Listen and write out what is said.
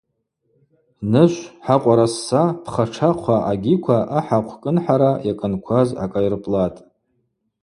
Нышв, хӏакъвара сса, пхатшахъва агьиква ахӏахъв кӏынхӏара йакӏынкваз гӏакӏайырпӏлатӏ.